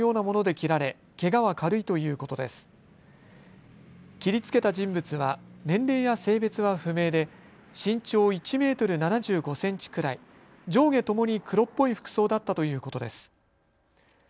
切りつけた人物は年齢や性別は不明で身長１メートル７５センチくらい、上下ともに黒っぽい服装だったということです。